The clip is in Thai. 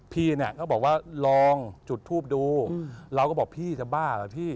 พี่เขาบอกว่าลองจุดธูปดูเราก็บอกพี่จะบ้าหรอ